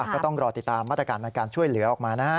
ก็ต้องรอติดตามมาตรการในการช่วยเหลือออกมานะฮะ